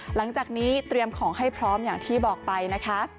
หลังจากนี้เตรียมของให้พร้อมอย่างที่บอกไปนะคะ